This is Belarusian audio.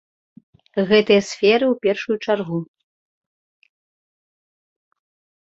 Гэтыя сферы ў першую чаргу.